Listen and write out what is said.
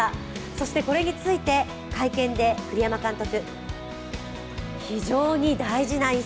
そしてこれについて会見で栗山監督